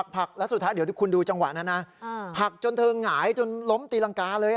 ผักแล้วสุดท้ายเดี๋ยวคุณดูจังหวะนั้นนะผักจนเธอหงายจนล้มตีรังกาเลย